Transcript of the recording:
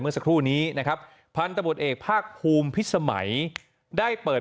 เมื่อสักครู่นี้นะครับพันธบทเอกภาคภูมิพิษสมัยได้เปิด